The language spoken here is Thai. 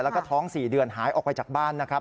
แล้วก็ท้อง๔เดือนหายออกไปจากบ้านนะครับ